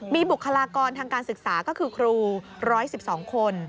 มีบุคลากรทางการศึกษาก็คือครู๑๑๒คน